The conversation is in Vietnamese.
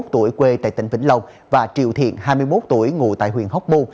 hai mươi một tuổi quê tại tỉnh vĩnh lồng và triệu thiện hai mươi một tuổi ngủ tại huyện hóc mô